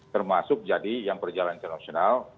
termasuk jadi yang perjalanan internasional